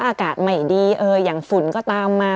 อากาศไม่ดีอย่างฝุ่นก็ตามมา